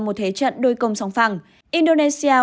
một thế trận đôi công song phẳng indonesia